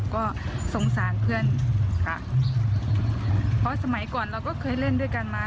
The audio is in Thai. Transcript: ก็สงสารเพื่อนค่ะเพราะสมัยก่อนเราก็เคยเล่นด้วยกันมา